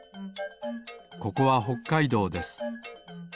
ここはほっかいどうです。